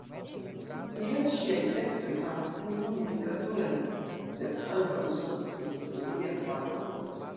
Tial ŝiaj tekstoj havas ne nur literaturan sed ankaŭ soci-historian valoron.